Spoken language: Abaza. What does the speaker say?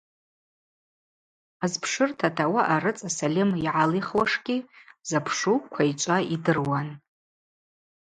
Азпшыртата ауаъа рыцӏа Сальым йгӏалихуашгьи запшу Квайчӏва йдыруан.